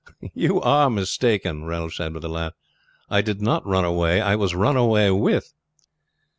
"You are mistaken!" Ralph said with a laugh. "I did not run away. I was run away with!"